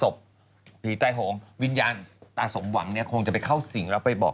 ศพผีตายโหงวิญญาณตาสมหวังเนี่ยคงจะไปเข้าสิ่งแล้วไปบอก